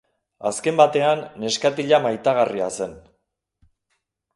Azken batean, neskatila maitagarria zen.